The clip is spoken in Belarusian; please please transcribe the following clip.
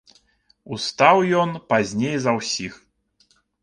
Устаў ён пазней за ўсіх.